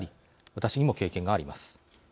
私にも経験があります。